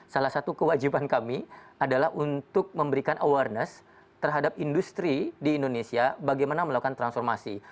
salah satu kewajiban kami adalah untuk memberikan awareness terhadap industri di indonesia bagaimana melakukan transformasi